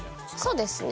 そうですね。